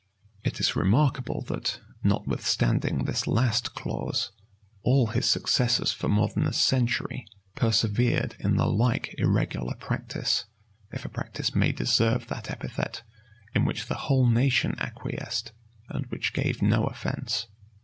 It is remarkable that, notwithstanding this last clause, all his successors for more than a century persevered in the like irregular practice; if a practice may deserve that epithet, in which the whole nation acquiesced, and which gave no offence.